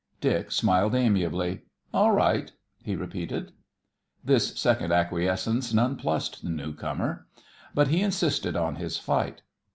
Dick smiled amiably. "All right," he repeated. This second acquiescence nonplussed the newcomer. But he insisted on his fight.